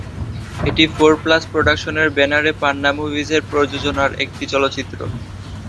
এটি four plus প্রোডাকশনের ব্যানারে পান্না মুভিজের প্রযোজনার একটি চলচ্চিত্র।